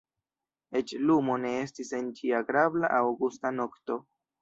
Eĉ lumo ne estis en ĉi agrabla aŭgusta nokto.